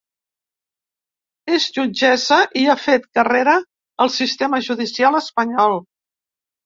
És jutgessa i ha fet carrera al sistema judicial espanyol.